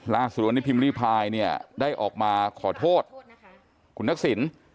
ล่าสู่วันที่ปิมลี้ไพด์เนี่ยได้ออกมาขอโทษคุณนักศิลป์